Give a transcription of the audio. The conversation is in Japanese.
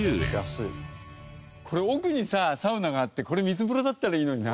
これ奥にさサウナがあってこれ水風呂だったらいいのにな。